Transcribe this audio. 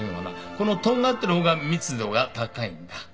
このとんがってる方が密度が高いんだ。